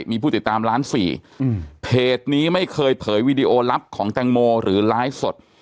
มีผู้ติดตามล้านสี่อืมเพจนี้ไม่เคยเผยวีดีโอลับของแตงโมหรือไลฟ์สด